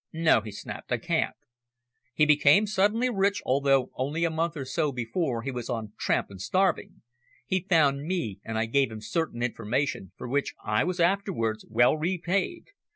"No," he snapped, "I can't. He became suddenly rich, although only a month or so before he was on tramp and starving. He found me and I gave him certain information for which I was afterwards well repaid.